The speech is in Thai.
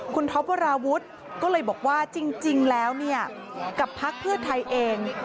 คุณท็อปวราวุฒิก็เลยบอกว่าจริงแล้วเนี่ยกับพักเพื่อไทยเอง